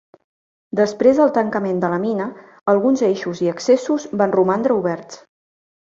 Després del tancament de la mina, alguns eixos i accessos van romandre oberts.